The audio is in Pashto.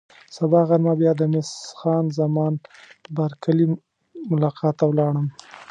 سبا غرمه بیا د مس خان زمان بارکلي ملاقات ته ولاړم.